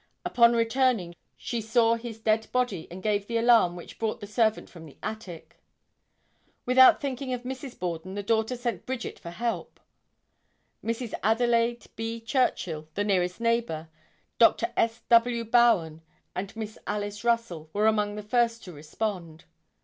Upon returning she saw his dead body and gave the alarm which brought the servant from the attic. Without thinking of Mrs. Borden the daughter sent Bridget for help. Mrs. Adelaide B. Churchill the nearest neighbor, Dr. S. W. Bowen and Miss Alice Russell were among the first to respond.